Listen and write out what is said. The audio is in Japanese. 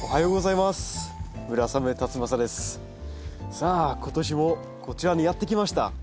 さあ今年もこちらにやって来ました。